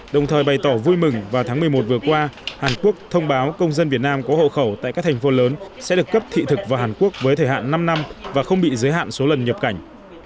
đồng thời bày tỏ vui mừng vào tháng một mươi một vừa qua hàn quốc thông báo công dân việt nam có hậu khẩu tại các thành phố lớn sẽ được cấp thị thực vào hàn quốc với thời hạn năm năm và không bị giới hạn số lần nhập cảnh